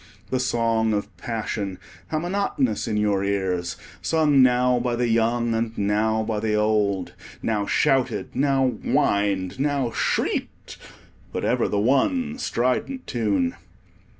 The song of passion, how monotonous in your ears, sung now by the young and now by the old; now shouted, now whined, now shrieked; but ever the one strident tune.